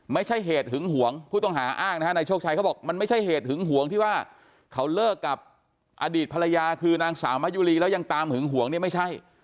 ไม่ใช่เหตุหึงหวงผู้ต้องหาอ้างนะฮะนายโชคชัยเขาบอกมันไม่ใช่เหตุหึงหวงที่ว่าเขาเลิกกับอดีตภรรยาคือนางสาวมะยุรีแล้วยังตามหึงหวงเนี่ยไม่ใช่